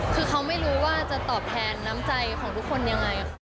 คือเขาไม่รู้ว่าจะตอบแทนน้ำใจของทุกคนยังไง